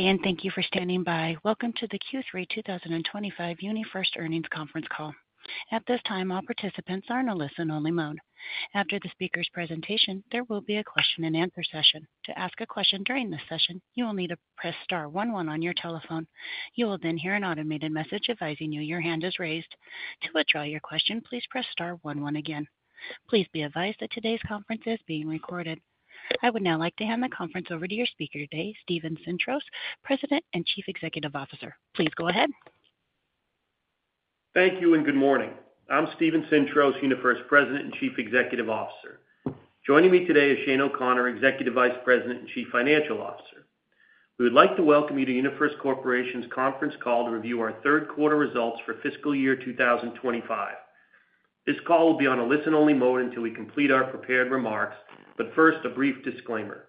Good day, and thank you for standing by. Welcome to the Q3 2025 UniFirst earnings conference call. At this time, all participants are in a listen-only mode. After the speaker's presentation, there will be a question-and-answer session. To ask a question during this session, you will need to press star 11 on your telephone. You will then hear an automated message advising you your hand is raised. To withdraw your question, please press star 11 again. Please be advised that today's conference is being recorded. I would now like to hand the conference over to your speaker today, Steven Sintros, President and Chief Executive Officer. Please go ahead. Thank you, and good morning. I'm Steven Sintros, UniFirst President and Chief Executive Officer. Joining me today is Shane O'Connor, Executive Vice President and Chief Financial Officer. We would like to welcome you to UniFirst Corporation's conference call to review our Third Quarter results for fiscal year 2025. This call will be on a listen-only mode until we complete our prepared remarks, but first, a brief disclaimer.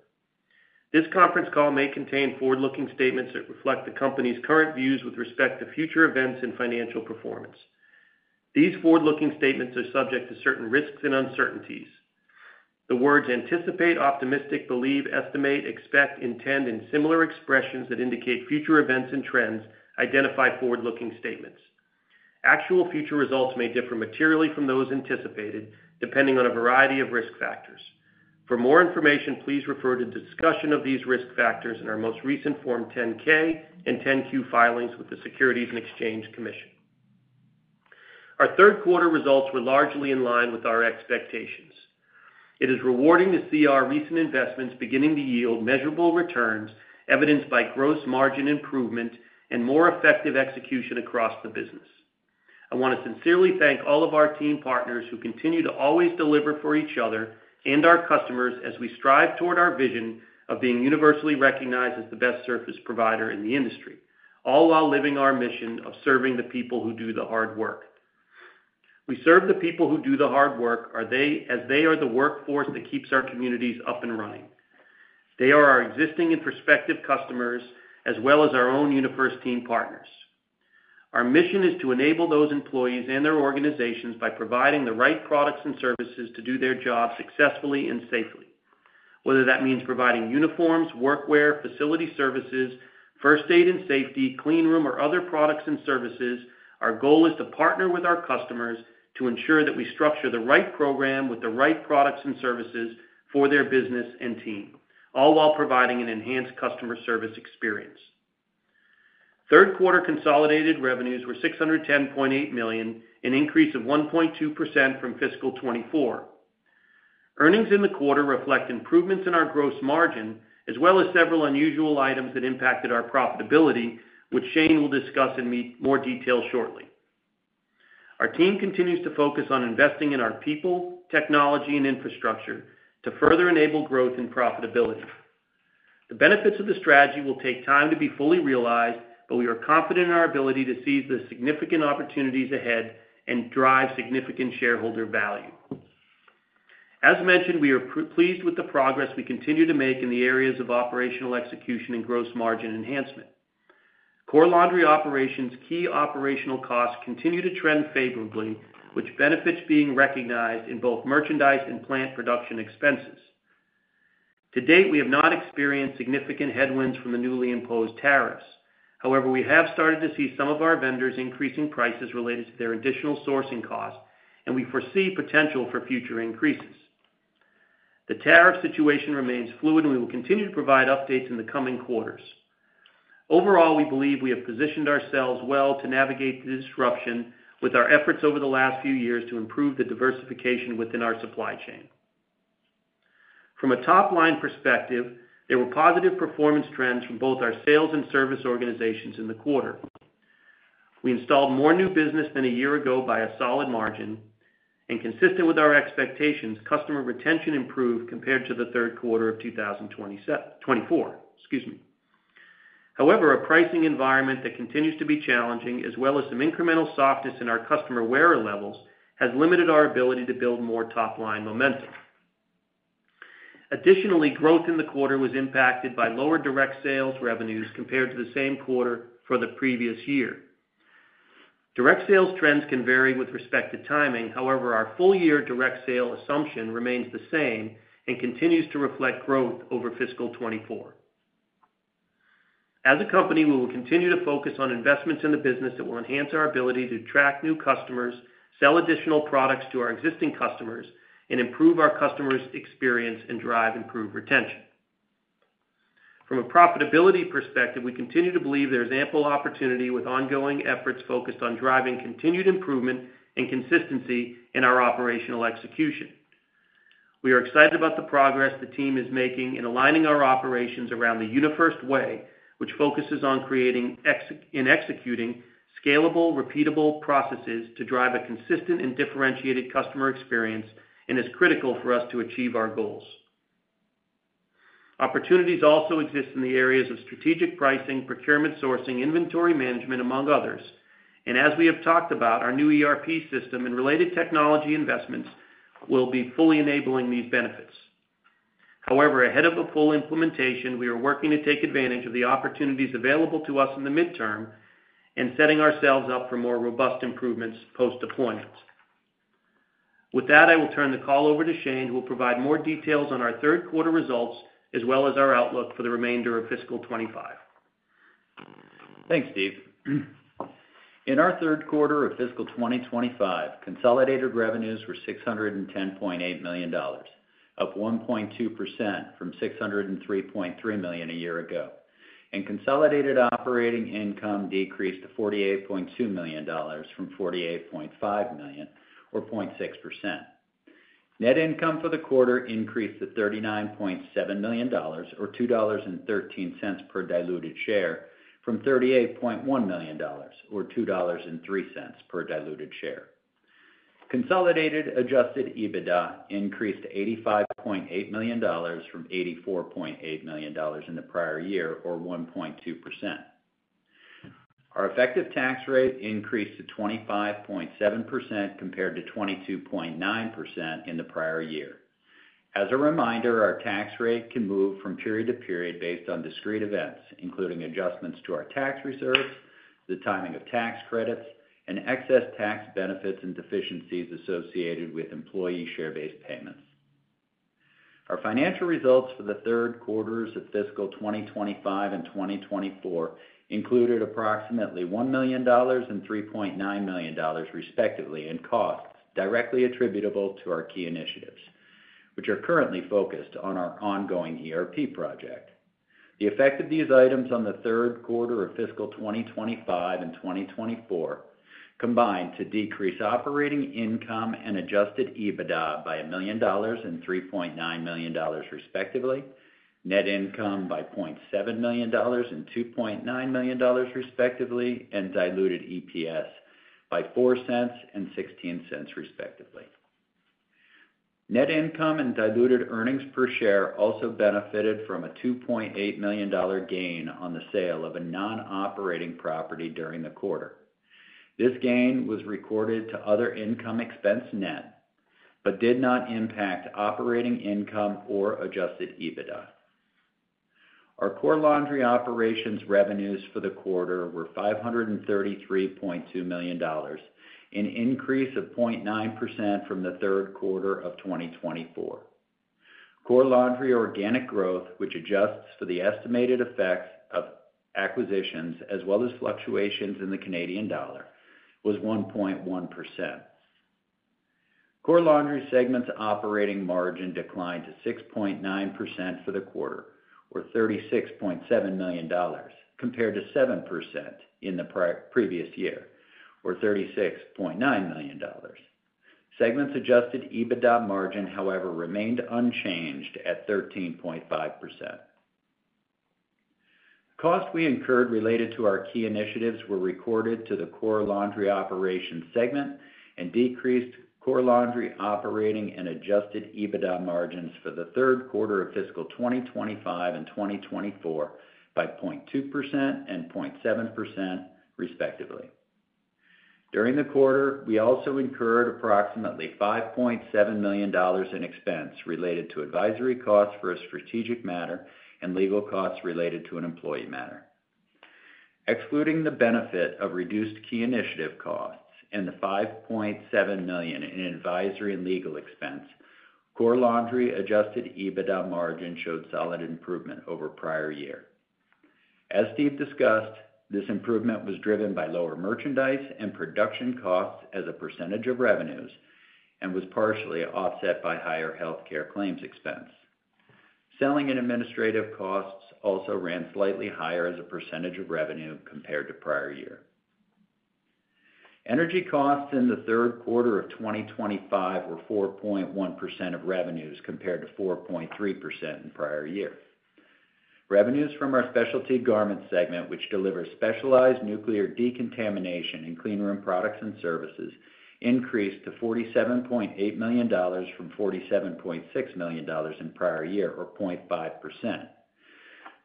This conference call may contain forward-looking statements that reflect the company's current views with respect to future events and financial performance. These forward-looking statements are subject to certain risks and uncertainties. The words anticipate, optimistic, believe, estimate, expect, intend, and similar expressions that indicate future events and trends identify forward-looking statements. Actual future results may differ materially from those anticipated, depending on a variety of risk factors. For more information, please refer to discussion of these risk factors in our most recent Form 10-K and 10-Q filings with the Securities and Exchange Commission. Our Third Quarter results were largely in line with our expectations. It is rewarding to see our recent investments beginning to yield measurable returns, evidenced by gross margin improvement and more effective execution across the business. I want to sincerely thank all of our team partners who continue to always deliver for each other and our customers as we strive toward our vision of being universally recognized as the best service provider in the industry, all while living our mission of serving the people who do the hard work. We serve the people who do the hard work as they are the workforce that keeps our communities up and running. They are our existing and prospective customers as well as our own UniFirst team partners. Our mission is to enable those employees and their organizations by providing the right products and services to do their jobs successfully and safely. Whether that means providing uniforms, workwear, facility services, first aid and safety, clean room, or other products and services, our goal is to partner with our customers to ensure that we structure the right program with the right products and services for their business and team, all while providing an enhanced customer service experience. Third Quarter consolidated revenues were $610.8 million, an increase of 1.2% from fiscal 2024. Earnings in the quarter reflect improvements in our gross margin as well as several unusual items that impacted our profitability, which Shane will discuss in more detail shortly. Our team continues to focus on investing in our people, technology, and infrastructure to further enable growth and profitability. The benefits of the strategy will take time to be fully realized, but we are confident in our ability to seize the significant opportunities ahead and drive significant shareholder value. As mentioned, we are pleased with the progress we continue to make in the areas of operational execution and gross margin enhancement. Core laundry operations' key operational costs continue to trend favorably, with benefits being recognized in both merchandise and plant production expenses. To date, we have not experienced significant headwinds from the newly imposed tariffs. However, we have started to see some of our vendors increasing prices related to their additional sourcing costs, and we foresee potential for future increases. The tariff situation remains fluid, and we will continue to provide updates in the coming quarters. Overall, we believe we have positioned ourselves well to navigate the disruption with our efforts over the last few years to improve the diversification within our supply chain. From a top-line perspective, there were positive performance trends from both our sales and service organizations in the quarter. We installed more new business than a year ago by a solid margin, and consistent with our expectations, customer retention improved compared to the Third Quarter of 2024. However, a pricing environment that continues to be challenging, as well as some incremental softness in our customer WERA levels, has limited our ability to build more top-line momentum. Additionally, growth in the quarter was impacted by lower direct sales revenues compared to the same quarter for the previous year. Direct sales trends can vary with respect to timing. However, our full-year direct sale assumption remains the same and continues to reflect growth over fiscal 2024. As a company, we will continue to focus on investments in the business that will enhance our ability to attract new customers, sell additional products to our existing customers, and improve our customers' experience and drive improved retention. From a profitability perspective, we continue to believe there is ample opportunity with ongoing efforts focused on driving continued improvement and consistency in our operational execution. We are excited about the progress the team is making in aligning our operations around the UniFirst way, which focuses on creating and executing scalable, repeatable processes to drive a consistent and differentiated customer experience, and is critical for us to achieve our goals. Opportunities also exist in the areas of strategic pricing, procurement sourcing, inventory management, among others. As we have talked about, our new ERP system and related technology investments will be fully enabling these benefits. However, ahead of the full implementation, we are working to take advantage of the opportunities available to us in the midterm and setting ourselves up for more robust improvements post-deployment. With that, I will turn the call over to Shane, who will provide more details on our third quarter results as well as our outlook for the remainder of fiscal 2025. Thanks, Steve. In our third quarter of fiscal 2025, consolidated revenues were $610.8 million, up 1.2% from $603.3 million a year ago. Consolidated operating income decreased to $48.2 million from $48.5 million, or 0.6%. Net income for the quarter increased to $39.7 million, or $2.13 per diluted share, from $38.1 million, or $2.03 per diluted share. Consolidated adjusted EBITDA increased to $85.8 million from $84.8 million in the prior year, or 1.2%. Our effective tax rate increased to 25.7% compared to 22.9% in the prior year. As a reminder, our tax rate can move from period to period based on discrete events, including adjustments to our tax reserves, the timing of tax credits, and excess tax benefits and deficiencies associated with employee share-based payments. Our financial results for the third quarters of fiscal 2025 and 2024 included approximately $1 million and $3.9 million, respectively, in costs directly attributable to our key initiatives, which are currently focused on our ongoing ERP project. The effect of these items on the Third Quarter of fiscal 2025 and 2024 combined to decrease operating income and adjusted EBITDA by $1 million and $3.9 million, respectively, net income by $0.7 million and $2.9 million, respectively, and diluted EPS by $0.04 and $0.16, respectively. Net income and diluted earnings per share also benefited from a $2.8 million gain on the sale of a non-operating property during the quarter. This gain was recorded to other income expense net, but did not impact operating income or adjusted EBITDA. Our core laundry operations revenues for the quarter were $533.2 million, an increase of 0.9% from the Third Quarter of 2024. Core laundry organic growth, which adjusts for the estimated effects of acquisitions as well as fluctuations in the Canadian dollar, was 1.1%. Core laundry segment's operating margin declined to 6.9% for the quarter, or $36.7 million, compared to 7% in the previous year, or $36.9 million. Segment's adjusted EBITDA margin, however, remained unchanged at 13.5%. Costs we incurred related to our key initiatives were recorded to the core laundry operations segment and decreased core laundry operating and adjusted EBITDA margins for the Third Quarter of fiscal 2025 and 2024 by 0.2% and 0.7%, respectively. During the quarter, we also incurred approximately $5.7 million in expense related to advisory costs for a strategic matter and legal costs related to an employee matter. Excluding the benefit of reduced key initiative costs and the $5.7 million in advisory and legal expense, core laundry adjusted EBITDA margin showed solid improvement over prior year. As Steve discussed, this improvement was driven by lower merchandise and production costs as a percentage of revenues and was partially offset by higher healthcare claims expense. Selling and administrative costs also ran slightly higher as a percentage of revenue compared to prior year. Energy costs in the third quarter of 2025 were 4.1% of revenues compared to 4.3% in prior year. Revenues from our specialty garment segment, which delivers specialized nuclear decontamination and clean room products and services, increased to $47.8 million from $47.6 million in prior year, or 0.5%.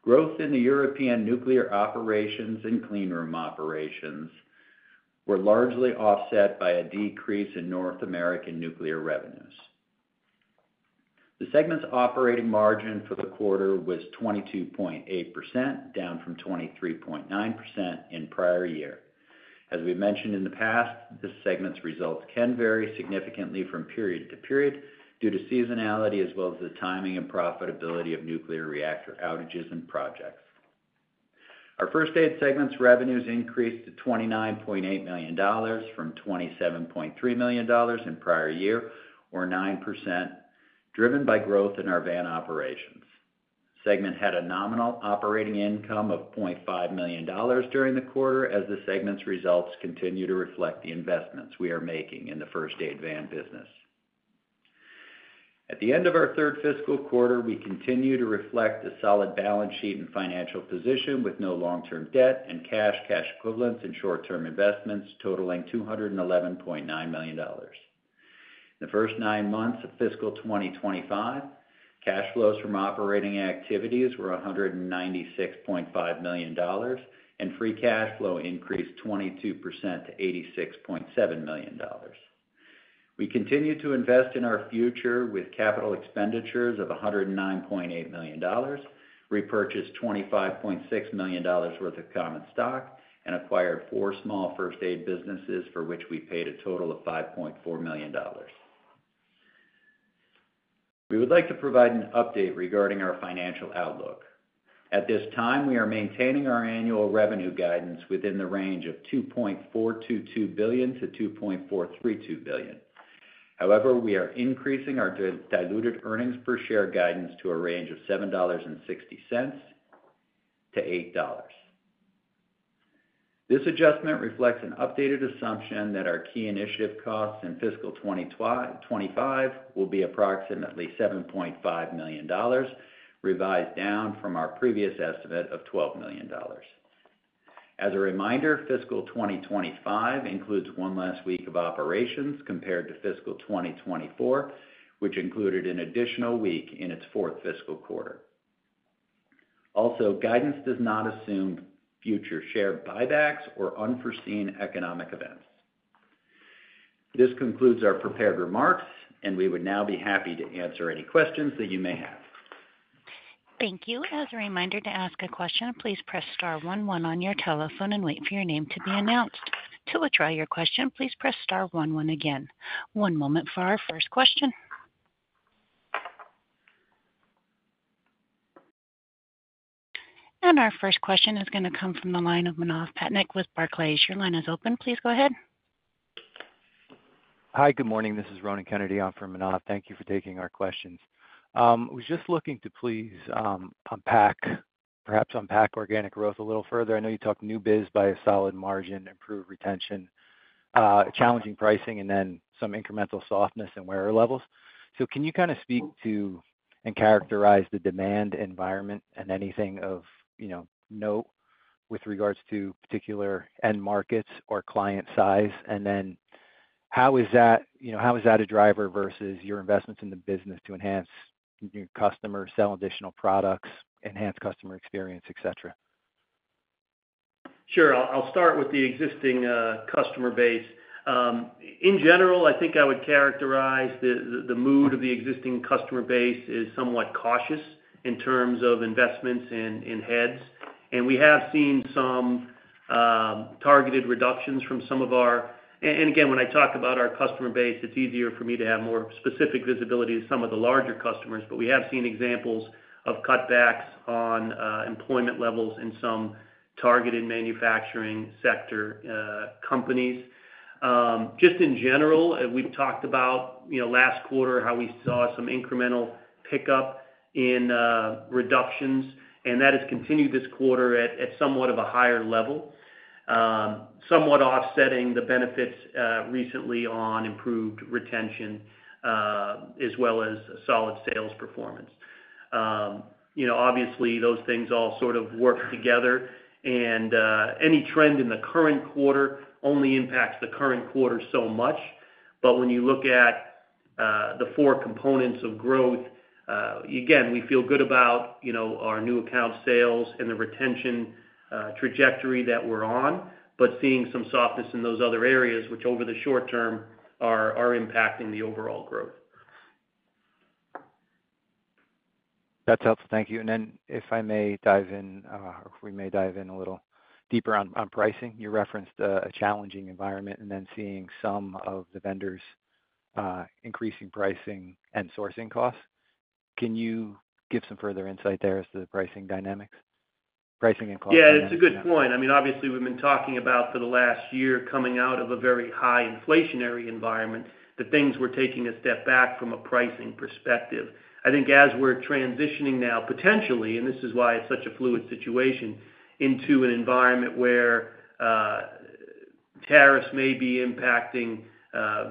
Growth in the European nuclear operations and clean room operations were largely offset by a decrease in North American nuclear revenues. The segment's operating margin for the quarter was 22.8%, down from 23.9% in prior year. As we mentioned in the past, the segment's results can vary significantly from period to period due to seasonality as well as the timing and profitability of nuclear reactor outages and projects. Our first aid segment's revenues increased to $29.8 million from $27.3 million in prior year, or 9%, driven by growth in our van operations. Segment had a nominal operating income of $0.5 million during the quarter as the segment's results continue to reflect the investments we are making in the first aid van business. At the end of our third fiscal quarter, we continue to reflect a solid balance sheet and financial position with no long-term debt and cash, cash equivalents, and short-term investments totaling $211.9 million. In the first nine months of fiscal 2025, cash flows from operating activities were $196.5 million, and free cash flow increased 22% to $86.7 million. We continue to invest in our future with capital expenditures of $109.8 million, repurchased $25.6 million worth of common stock, and acquired four small first aid businesses for which we paid a total of $5.4 million. We would like to provide an update regarding our financial outlook. At this time, we are maintaining our annual revenue guidance within the range of $2.422 billion-$2.432 billion. However, we are increasing our diluted earnings per share guidance to a range of $7.60-$8. This adjustment reflects an updated assumption that our key initiative costs in fiscal 2025 will be approximately $7.5 million, revised down from our previous estimate of $12 million. As a reminder, fiscal 2025 includes one last week of operations compared to fiscal 2024, which included an additional week in its fourth fiscal quarter. Also, guidance does not assume future share buybacks or unforeseen economic events. This concludes our prepared remarks, and we would now be happy to answer any questions that you may have. Thank you. As a reminder to ask a question, please press star 11 on your telephone and wait for your name to be announced. To withdraw your question, please press star 11 again. One moment for our first question. Our first question is going to come from the line of Manaf Petnick with Barclays. Your line is open. Please go ahead. Hi, good morning. This is Ronan Kennedy on for Manaf. Thank you for taking our questions. I was just looking to please unpack, perhaps unpack organic growth a little further. I know you talked new biz by a solid margin, improved retention, challenging pricing, and then some incremental softness in WERA levels. Can you kind of speak to and characterize the demand environment and anything of note with regards to particular end markets or client size? How is that a driver versus your investments in the business to enhance new customers, sell additional products, enhance customer experience, etc.? Sure. I'll start with the existing customer base. In general, I think I would characterize the mood of the existing customer base as somewhat cautious in terms of investments in heads. We have seen some targeted reductions from some of our—and again, when I talk about our customer base, it's easier for me to have more specific visibility to some of the larger customers. We have seen examples of cutbacks on employment levels in some targeted manufacturing sector companies. Just in general, we've talked about last quarter how we saw some incremental pickup in reductions, and that has continued this quarter at somewhat of a higher level, somewhat offsetting the benefits recently on improved retention as well as solid sales performance. Obviously, those things all sort of work together, and any trend in the current quarter only impacts the current quarter so much. When you look at the four components of growth, again, we feel good about our new account sales and the retention trajectory that we're on, but seeing some softness in those other areas, which over the short term are impacting the overall growth. That's helpful. Thank you. If I may dive in, or if we may dive in a little deeper on pricing, you referenced a challenging environment and then seeing some of the vendors increasing pricing and sourcing costs. Can you give some further insight there as to the pricing dynamics? Pricing and cost dynamics. Yeah, it's a good point. I mean, obviously, we've been talking about for the last year coming out of a very high inflationary environment, that things were taking a step back from a pricing perspective. I think as we're transitioning now, potentially—and this is why it's such a fluid situation—into an environment where tariffs may be impacting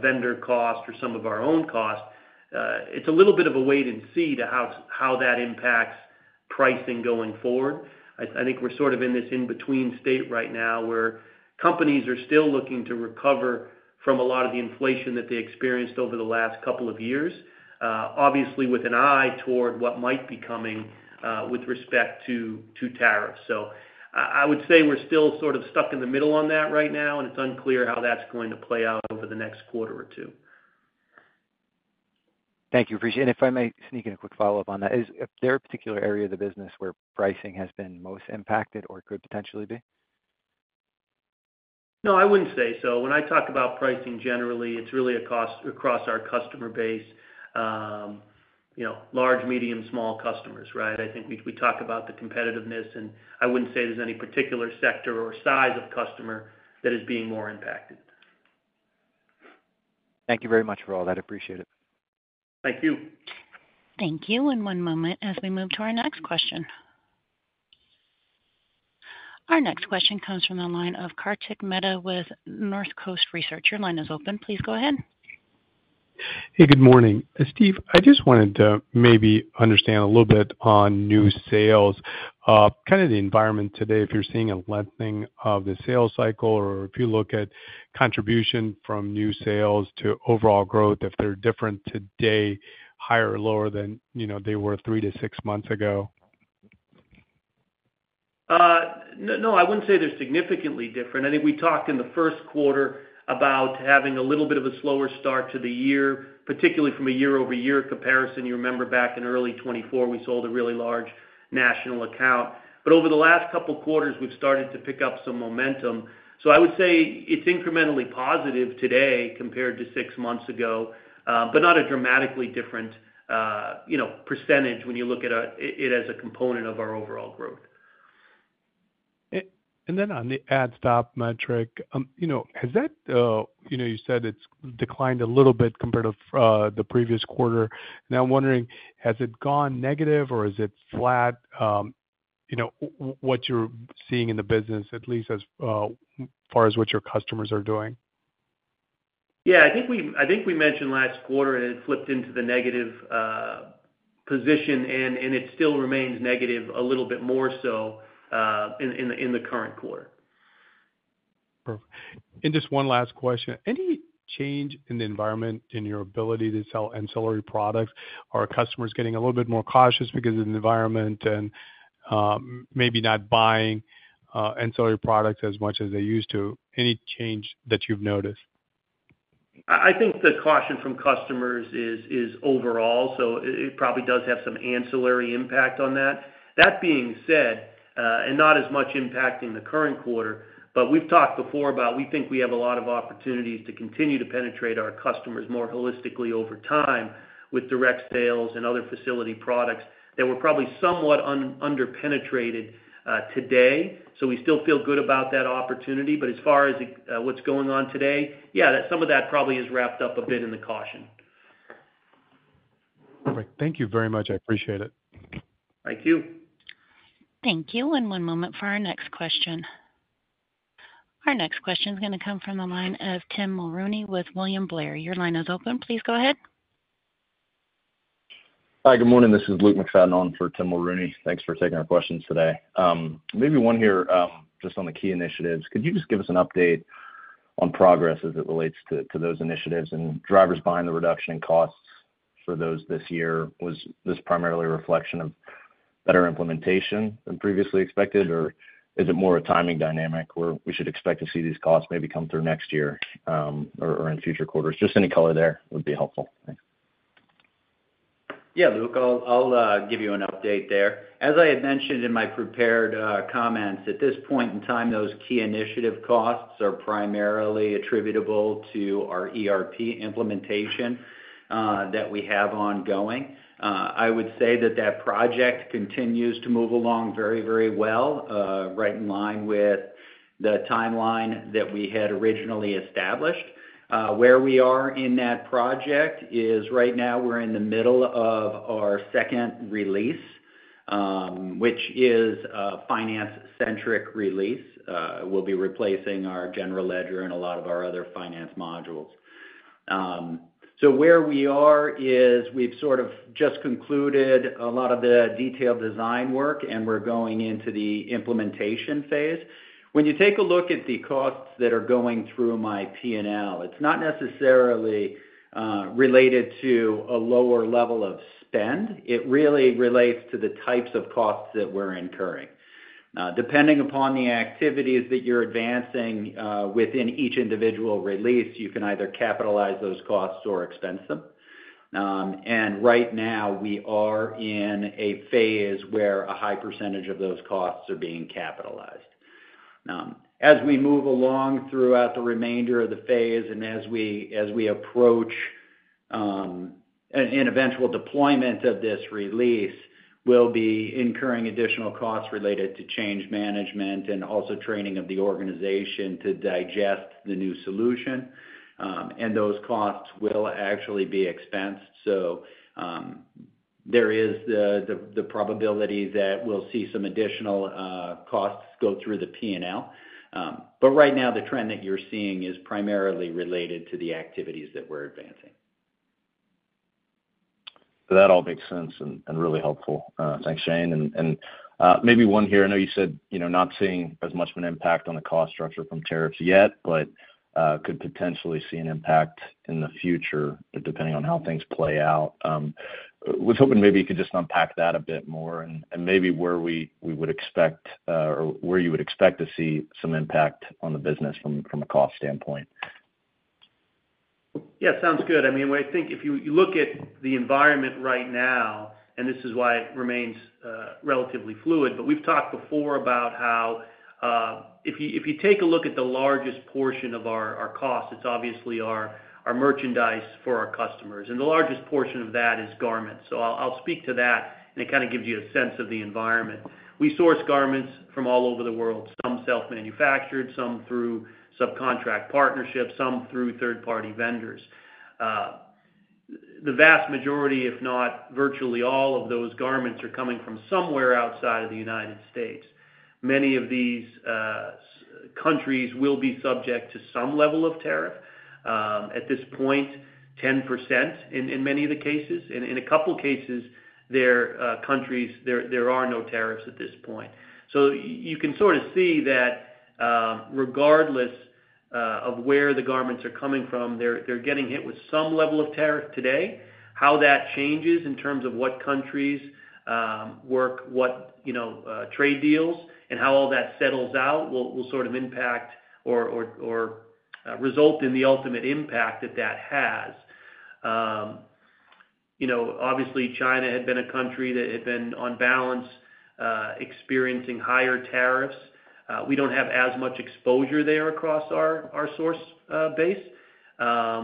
vendor costs or some of our own costs, it's a little bit of a wait and see to how that impacts pricing going forward. I think we're sort of in this in-between state right now where companies are still looking to recover from a lot of the inflation that they experienced over the last couple of years, obviously with an eye toward what might be coming with respect to tariffs. I would say we're still sort of stuck in the middle on that right now, and it's unclear how that's going to play out over the next quarter or two. Thank you. Appreciate it. If I may sneak in a quick follow-up on that, is there a particular area of the business where pricing has been most impacted or could potentially be? No, I wouldn't say so. When I talk about pricing generally, it's really a cost across our customer base, large, medium, small customers, right? I think we talk about the competitiveness, and I wouldn't say there's any particular sector or size of customer that is being more impacted. Thank you very much for all that. Appreciate it. Thank you. Thank you. One moment as we move to our next question. Our next question comes from the line of Kartik Mehta with Northcoast Research. Your line is open. Please go ahead. Hey, good morning. Steve, I just wanted to maybe understand a little bit on new sales, kind of the environment today, if you're seeing a lengthening of the sales cycle, or if you look at contribution from new sales to overall growth, if they're different today, higher or lower than they were three to six months ago. No, I wouldn't say they're significantly different. I think we talked in the First Quarter about having a little bit of a slower start to the year, particularly from a year-over-year comparison. You remember back in early 2024, we sold a really large national account. Over the last couple of quarters, we've started to pick up some momentum. I would say it's incrementally positive today compared to six months ago, but not a dramatically different percentage when you look at it as a component of our overall growth. On the ad stop metric, has that—you said it's declined a little bit compared to the previous quarter. I'm wondering, has it gone negative or is it flat, what you're seeing in the business, at least as far as what your customers are doing? Yeah, I think we mentioned last quarter and it flipped into the negative position, and it still remains negative a little bit more so in the current quarter. Perfect. Just one last question. Any change in the environment in your ability to sell ancillary products? Are customers getting a little bit more cautious because of the environment and maybe not buying ancillary products as much as they used to? Any change that you've noticed? I think the caution from customers is overall, so it probably does have some ancillary impact on that. That being said, and not as much impacting the current quarter, but we've talked before about we think we have a lot of opportunities to continue to penetrate our customers more holistically over time with direct sales and other facility products that we're probably somewhat underpenetrated today. We still feel good about that opportunity. As far as what's going on today, yeah, some of that probably is wrapped up a bit in the caution. Perfect. Thank you very much. I appreciate it. Thank you. Thank you. One moment for our next question. Our next question is going to come from the line of Tim Mulrooney with William Blair. Your line is open. Please go ahead. Hi, good morning. This is Luke McFadden on for Tim Mulrooney. Thanks for taking our questions today. Maybe one here just on the key initiatives. Could you just give us an update on progress as it relates to those initiatives and drivers behind the reduction in costs for those this year? Was this primarily a reflection of better implementation than previously expected, or is it more a timing dynamic where we should expect to see these costs maybe come through next year or in future quarters? Just any color there would be helpful. Yeah, Luke, I'll give you an update there. As I had mentioned in my prepared comments, at this point in time, those key initiative costs are primarily attributable to our ERP implementation that we have ongoing. I would say that that project continues to move along very, very well, right in line with the timeline that we had originally established. Where we are in that project is right now we're in the middle of our second release, which is a finance-centric release. We'll be replacing our general ledger and a lot of our other finance modules. Where we are is we've sort of just concluded a lot of the detailed design work, and we're going into the implementation phase. When you take a look at the costs that are going through my P&L, it's not necessarily related to a lower level of spend. It really relates to the types of costs that we're incurring. Depending upon the activities that you're advancing within each individual release, you can either capitalize those costs or expense them. Right now, we are in a phase where a high percentage of those costs are being capitalized. As we move along throughout the remainder of the phase and as we approach an eventual deployment of this release, we'll be incurring additional costs related to change management and also training of the organization to digest the new solution. Those costs will actually be expensed. There is the probability that we'll see some additional costs go through the P&L. Right now, the trend that you're seeing is primarily related to the activities that we're advancing. That all makes sense and really helpful. Thanks, Shane. Maybe one here, I know you said not seeing as much of an impact on the cost structure from tariffs yet, but could potentially see an impact in the future depending on how things play out. I was hoping maybe you could just unpack that a bit more and maybe where we would expect or where you would expect to see some impact on the business from a cost standpoint. Yeah, sounds good. I mean, I think if you look at the environment right now, and this is why it remains relatively fluid, but we've talked before about how if you take a look at the largest portion of our costs, it's obviously our merchandise for our customers. The largest portion of that is garments. I’ll speak to that, and it kind of gives you a sense of the environment. We source garments from all over the world, some self-manufactured, some through subcontract partnerships, some through third-party vendors. The vast majority, if not virtually all of those garments, are coming from somewhere outside of the United States Many of these countries will be subject to some level of tariff. At this point, 10% in many of the cases. In a couple of cases, there are no tariffs at this point. You can sort of see that regardless of where the garments are coming from, they're getting hit with some level of tariff today. How that changes in terms of what countries work, what trade deals, and how all that settles out will sort of impact or result in the ultimate impact that that has. Obviously, China had been a country that had been on balance experiencing higher tariffs. We do not have as much exposure there across our source base,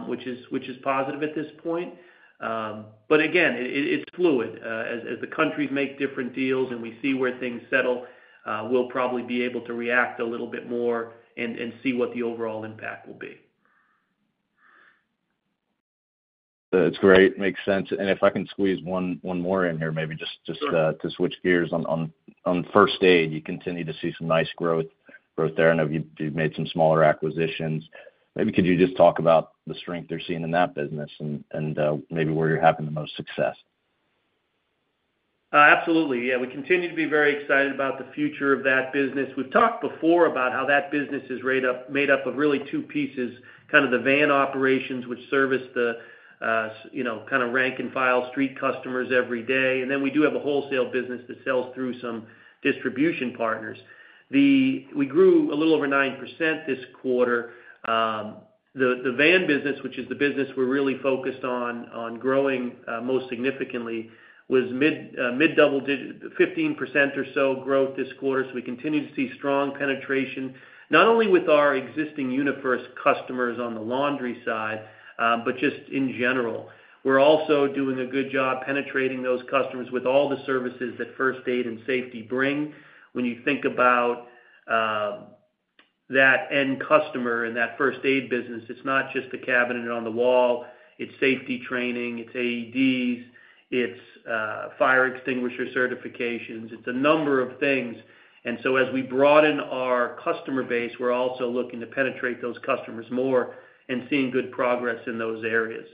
which is positive at this point. Again, it is fluid. As the countries make different deals and we see where things settle, we will probably be able to react a little bit more and see what the overall impact will be. That's great. Makes sense. If I can squeeze one more in here, maybe just to switch gears on first aid, you continue to see some nice growth there, and you've made some smaller acquisitions. Maybe could you just talk about the strength you're seeing in that business and maybe where you're having the most success? Absolutely. Yeah, we continue to be very excited about the future of that business. We've talked before about how that business is made up of really two pieces, kind of the van operations, which service the kind of rank and file street customers every day. We do have a wholesale business that sells through some distribution partners. We grew a little over 9% this quarter. The van business, which is the business we're really focused on growing most significantly, was mid-double digits, 15% or so growth this quarter. We continue to see strong penetration, not only with our existing UniFirst customers on the laundry side, but just in general. We're also doing a good job penetrating those customers with all the services that first aid and safety bring. When you think about that end customer in that first aid business, it's not just the cabinet on the wall. It's safety training. It's AEDs. It's fire extinguisher certifications. It's a number of things. As we broaden our customer base, we're also looking to penetrate those customers more and seeing good progress in those areas.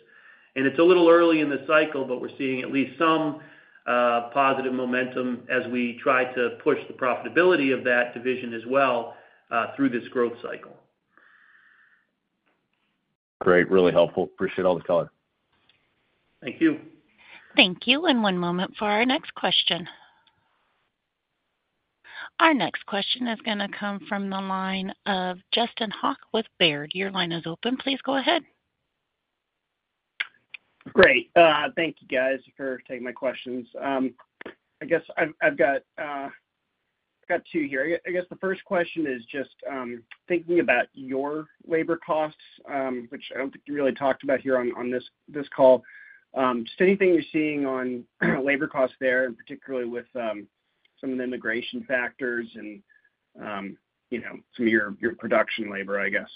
It's a little early in the cycle, but we're seeing at least some positive momentum as we try to push the profitability of that division as well through this growth cycle. Great. Really helpful. Appreciate all the color. Thank you. Thank you. One moment for our next question. Our next question is going to come from the line of Justin Hawke with Baird. Your line is open. Please go ahead. Great. Thank you, guys, for taking my questions. I guess I've got two here. I guess the first question is just thinking about your labor costs, which I don't think you really talked about here on this call. Just anything you're seeing on labor costs there, and particularly with some of the immigration factors and some of your production labor, I guess.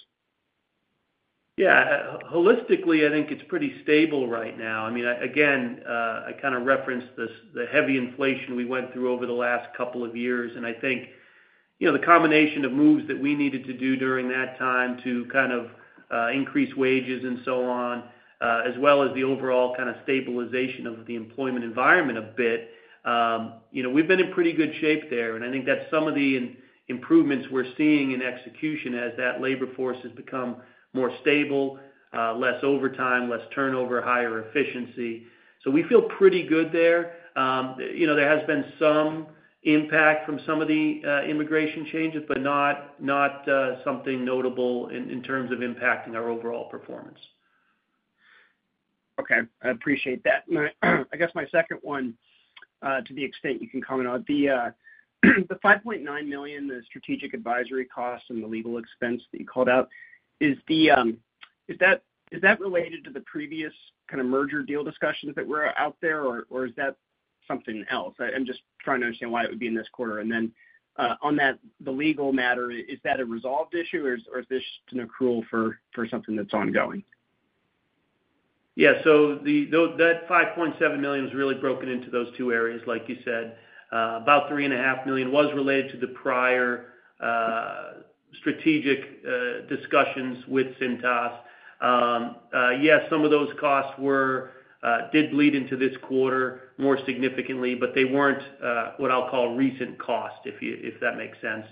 Yeah. Holistically, I think it's pretty stable right now. I mean, again, I kind of referenced the heavy inflation we went through over the last couple of years. I think the combination of moves that we needed to do during that time to kind of increase wages and so on, as well as the overall kind of stabilization of the employment environment a bit, we've been in pretty good shape there. I think that's some of the improvements we're seeing in execution as that labor force has become more stable, less overtime, less turnover, higher efficiency. We feel pretty good there. There has been some impact from some of the immigration changes, but not something notable in terms of impacting our overall performance. Okay. I appreciate that. I guess my second one, to the extent you can comment on, the $5.9 million, the strategic advisory costs and the legal expense that you called out, is that related to the previous kind of merger deal discussions that were out there, or is that something else? I'm just trying to understand why it would be in this quarter. On the legal matter, is that a resolved issue, or is this an accrual for something that's ongoing? Yeah. That $5.7 million is really broken into those two areas, like you said. About $3.5 million was related to the prior strategic discussions with Cintas. Yes, some of those costs did bleed into this quarter more significantly, but they were not what I'll call recent costs, if that makes sense.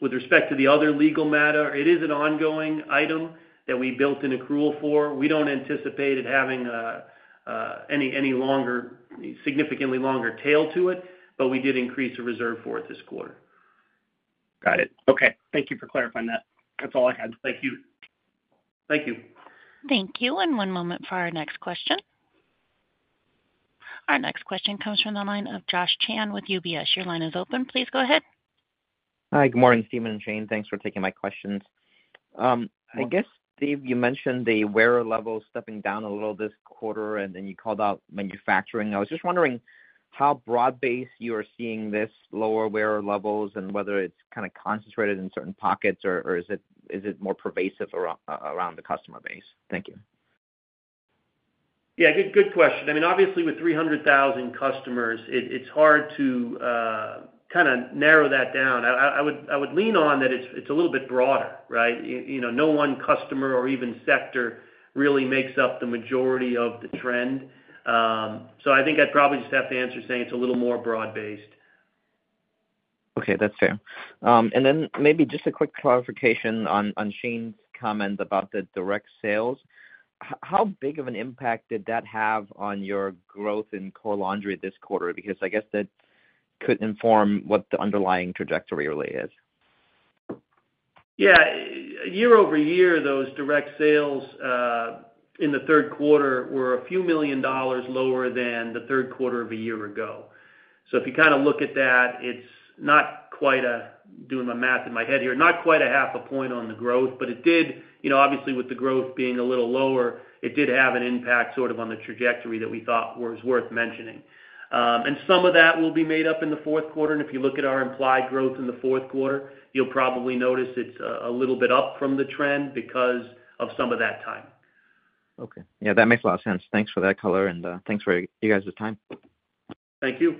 With respect to the other legal matter, it is an ongoing item that we built an accrual for. We do not anticipate it having any significantly longer tail to it, but we did increase the reserve for it this quarter. Got it. Okay. Thank you for clarifying that. That's all I had. Thank you. Thank you. Thank you. One moment for our next question. Our next question comes from the line of Josh Chan with UBS. Your line is open. Please go ahead. Hi. Good morning, Steven and Shane. Thanks for taking my questions. I guess, Steve, you mentioned the wear level stepping down a little this quarter, and then you called out manufacturing. I was just wondering how broad-based you are seeing this lower wear levels and whether it's kind of concentrated in certain pockets, or is it more pervasive around the customer base? Thank you. Yeah. Good question. I mean, obviously, with 300,000 customers, it's hard to kind of narrow that down. I would lean on that it's a little bit broader, right? No one customer or even sector really makes up the majority of the trend. I think I'd probably just have to answer saying it's a little more broad-based. Okay. That's fair. Maybe just a quick clarification on Shane's comment about the direct sales. How big of an impact did that have on your growth in core laundry this quarter? I guess that could inform what the underlying trajectory really is. Yeah. Year-over-year, those direct sales in the Third Quarter were a few million dollars lower than the Third Quarter of a year ago. If you kind of look at that, it's not quite a—doing my math in my head here—not quite a half a point on the growth, but it did, obviously, with the growth being a little lower, it did have an impact sort of on the trajectory that we thought was worth mentioning. Some of that will be made up in the Fourth Quarter. If you look at our implied growth in the Fourth Quarter, you'll probably notice it's a little bit up from the trend because of some of that time. Okay. Yeah. That makes a lot of sense. Thanks for that color, and thanks for you guys' time. Thank you.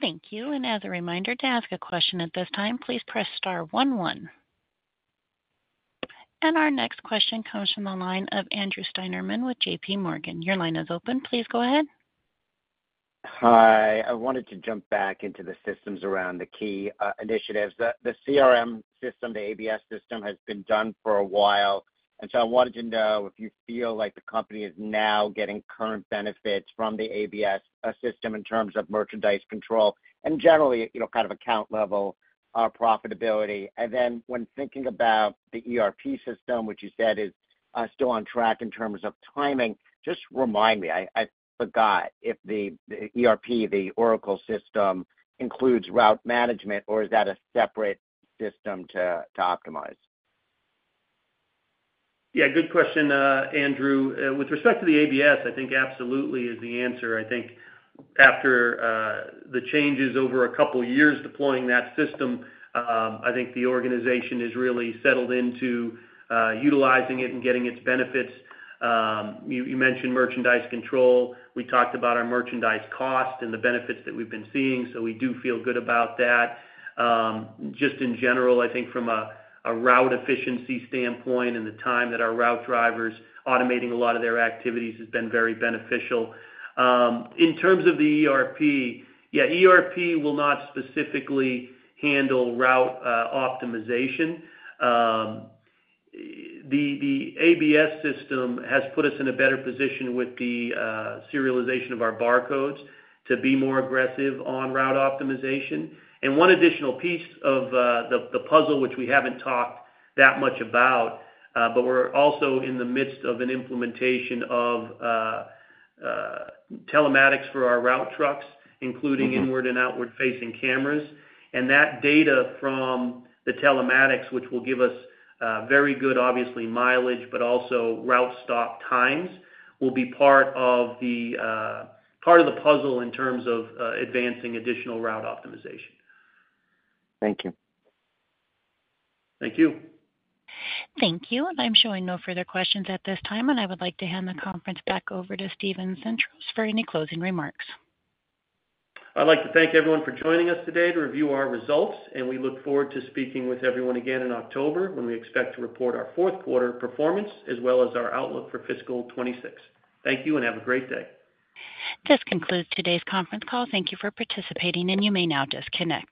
Thank you. As a reminder, to ask a question at this time, please press star 11. Our next question comes from the line of Andrew Steinerman with JPMorgan. Your line is open. Please go ahead. Hi. I wanted to jump back into the systems around the key initiatives. The CRM system, the ABS system, has been done for a while. I wanted to know if you feel like the company is now getting current benefits from the ABS system in terms of merchandise control and generally kind of account level profitability. When thinking about the ERP system, which you said is still on track in terms of timing, just remind me, I forgot, if the ERP, the Oracle system, includes route management, or is that a separate system to optimize? Yeah. Good question, Andrew. With respect to the ABS, I think absolutely is the answer. I think after the changes over a couple of years deploying that system, I think the organization has really settled into utilizing it and getting its benefits. You mentioned merchandise control. We talked about our merchandise cost and the benefits that we've been seeing. We do feel good about that. Just in general, I think from a route efficiency standpoint and the time that our route drivers are automating a lot of their activities has been very beneficial. In terms of the ERP, yeah, ERP will not specifically handle route optimization. The ABS system has put us in a better position with the serialization of our barcodes to be more aggressive on route optimization. One additional piece of the puzzle, which we have not talked that much about, is we are also in the midst of an implementation of telematics for our route trucks, including inward and outward-facing cameras. That data from the telematics, which will give us very good, obviously, mileage, but also route stop times, will be part of the puzzle in terms of advancing additional route optimization. Thank you. Thank you. Thank you. I'm showing no further questions at this time. I would like to hand the conference back over to Steven Sintros for any closing remarks. I'd like to thank everyone for joining us today to review our results. We look forward to speaking with everyone again in October when we expect to report our Fourth Quarter performance as well as our outlook for fiscal 2026. Thank you and have a great day. This concludes today's conference call. Thank you for participating, and you may now disconnect.